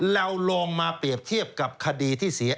แล้วลงมาเปรียบเทียบกับคดีที่